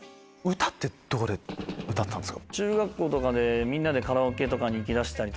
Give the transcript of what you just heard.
歌ってどこで歌ってたんですか？